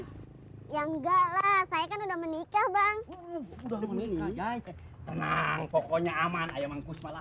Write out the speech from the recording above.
yang enggak lah saya kan udah menikah bang udah menikah jay tenang pokoknya aman ayo mangkus malah